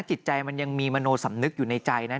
จิตใจมันยังมีมโนสำนึกอยู่ในใจนะ